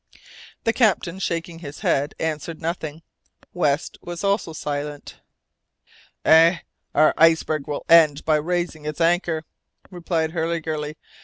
The captain, shaking his head, answered nothing. West also was silent. "Eh! our iceberg will end by raising its anchor," replied Hurliguerly.